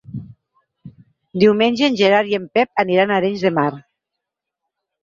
Diumenge en Gerard i en Pep aniran a Arenys de Mar.